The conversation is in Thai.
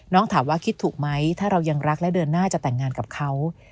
ถามว่าคิดถูกไหมถ้าเรายังรักและเดินหน้าจะแต่งงานกับเขา